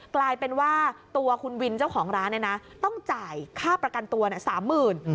กลายเป็นว่าตัวคุณวินเจ้าของร้านเนี่ยนะต้องจ่ายค่าประกันตัว๓๐๐๐บาท